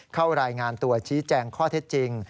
เข้ารายงานตัวชี้แจงข้อเท็จจริง